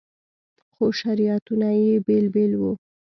خو شریعتونه یې بېل بېل وو.